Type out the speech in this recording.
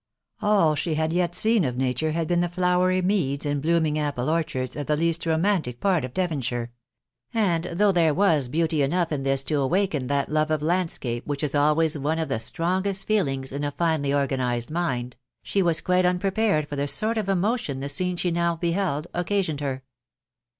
All she had yet seen of nature had been the flowery meads and blooming apple orchards of the least romantic part of Devonshire ; and t though there was beauty enough in this to awaken that love of landscape which is always one of the strongest feelings in a finely organised mind, she was quite unprepared for the sort of emotion the scene she now beheld occasioned her.